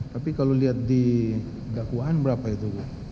tapi kalau lihat di dakwaan berapa itu